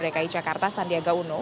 dki jakarta sandiaga uno